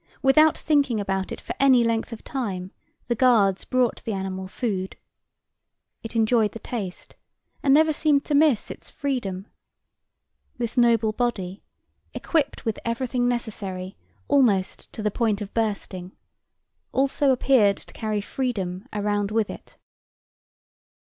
Without thinking about it for any length of time, the guards brought the animal food. It enjoyed the taste and never seemed to miss its freedom. This noble body, equipped with everything necessary, almost to the point of bursting, also appeared to carry freedom around with it.